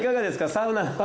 サウナは。